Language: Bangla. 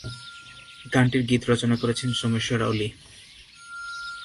গানটির গীত রচনা করেছেন সোমেশ্বর অলি।